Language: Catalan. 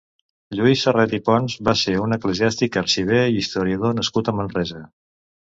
Lluís Sarret i Pons va ser un eclesiàstic, arxiver i historiador nascut a Manresa.